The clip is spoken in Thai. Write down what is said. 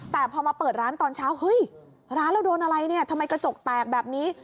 แต่พอมาเปิดร้านตอนเช้าเฮ้ยร้านเราโดนอะไรเนี่ยทำไมกระจกแตกแบบนี้